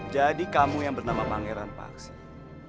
jadi kamu yang bernama pangeran vaksin